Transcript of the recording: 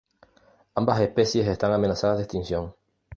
Ambas especies están amenazadas de extinción.